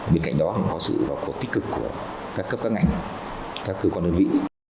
bên cạnh đó cũng có sự tích cực của các cấp các ngành các cơ quan đơn vị